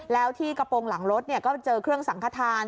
แล้วที่กระโปรงหลังรถก็เจอเครื่องสังขทาน